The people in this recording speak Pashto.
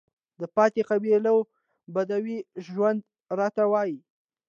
د پاتې قبايلو بدوى ژوند راته وايي،